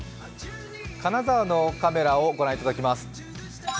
金沢のカメラを御覧いただきます。